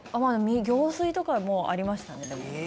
行水とかもありましたね、でも。